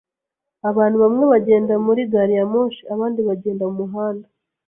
Abantu bamwe bagendaga muri gari ya moshi, abandi bagenda mumuhanda.